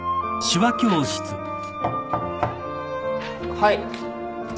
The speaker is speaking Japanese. ・はい。